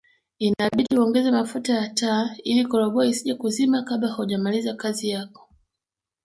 Inabidi uongeze mafuta ya taa ili koroboi isije kuzima kabla haujamaliza kazi yako